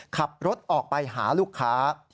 ขับรถออกไปหาลูกค้า